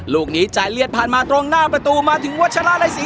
ลูกนี้ใจเลียดผ่านมาตรงหน้าประตูมาถึงวัชราในศรี